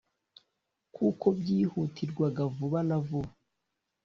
kuko byihutirwaga vuba na vuba